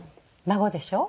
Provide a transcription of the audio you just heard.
孫でしょ？